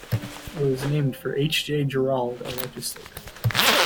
It was named for H. J. Jerauld, a legislator.